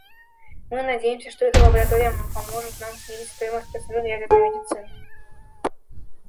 Мы надеемся, что эта лаборатория поможет нам снизить стоимость процедур ядерной медицины.